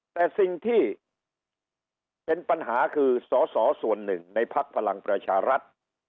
แต่สิ่งที่เป็นปัญหาคือสอสอส่วนหนึ่งในพักพลังประชารัฐ